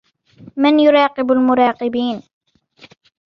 من يراقب المراقبين ؟